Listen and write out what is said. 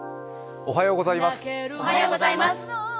おはようございます。